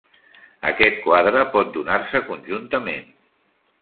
Aquest quadre pot donar-se conjuntament.